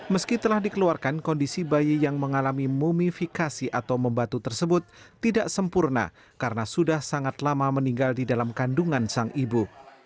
meski telah dikeluarkan kondisi bayi yang mengalami mumifikasi atau membatu tersebut tidak sempurna karena sudah sangat lama meninggal di dalam kandungan sang ibu